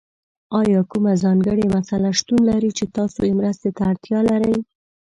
ایا کومه ځانګړې مسله شتون لري چې تاسو یې مرستې ته اړتیا لرئ؟